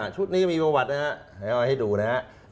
ชุดนี้มีประวัตินะครับให้ดูนะครับ